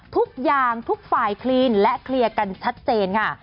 ทุกอย่างทุกฝ่ายคลีนและเคลียร์กันชัดเจนค่ะ